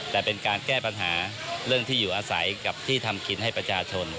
แต่เป็นการแก้ปัญหาเรื่องที่อยู่อาศัยกับที่ทำกินให้ประชาชน